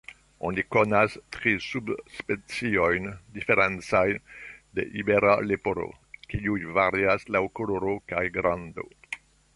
Oni konas tri subspeciojn diferencajn de Iberia leporo, kiuj varias laŭ koloro kaj grando.